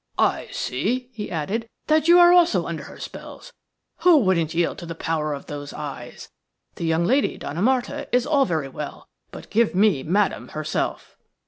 "I see," he added, "that you also are under her spells. Who wouldn't yield to the power of those eyes? The young lady, Donna Marta, is all very well, but give me Madame herself."